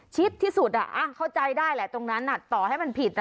ชิดที่สุดเข้าใจได้แหละตรงนั้นต่อให้มันผิด